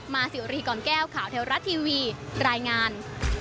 มาสิวรีกรแก้วข่าวเทลรัตน์ทีวีรายงาน